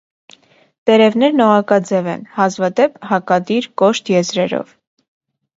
Տերևներն օղակաձև են, հազվադեպ՝ հակադիր, կոշտ եզրերով։